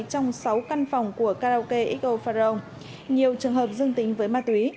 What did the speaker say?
trong sáu căn phòng của karaoke xo farong nhiều trường hợp dương tính với ma túy